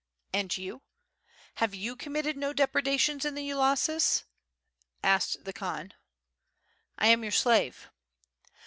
"And you? have you committed no depredations in the ulusas?" asked the Khan. "I am your slave."